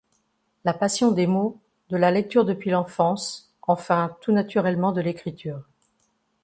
La passion des mots, de la lecture depuis l'enfance, enfin tout naturellement de l'écriture.